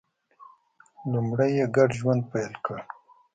لومړی یې ګډ ژوند پیل کړ